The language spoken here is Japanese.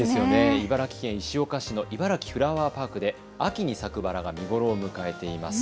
茨城県石岡市のいばらきフラワーパークで秋に咲くバラが見頃を迎えています。